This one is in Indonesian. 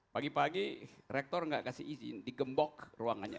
pagi pagi rektor nggak kasih izin digembok ruangannya